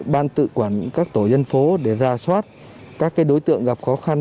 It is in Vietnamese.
ban tự quản các tổ dân phố để ra soát các đối tượng gặp khó khăn